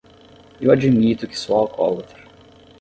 Eu admito que sou alcoólatra.